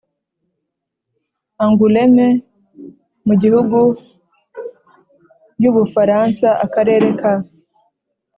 angoulême, mu gihugu y'u bufaransa, akarere ka